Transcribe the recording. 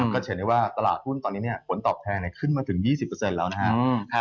ก็จะเห็นได้ว่าตลาดหุ้นตอนนี้ผลตอบแทนขึ้นมาถึง๒๐แล้วนะครับ